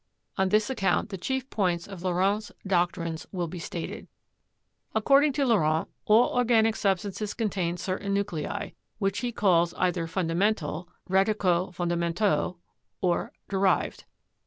On this account the chief points of Laurent's doctrines will be stated. According to Laurent, all organic substances contain certain nuclei, which he calls either fundamental ("radi caux fondamentaux") or derived.